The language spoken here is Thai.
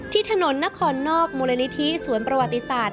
ที่ถนนนครนอกมูลนิธิสวนประวัติศาสตร์